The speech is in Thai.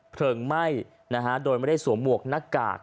เพลิงไหม้โดยไม่ได้สวมหวกหน้ากาก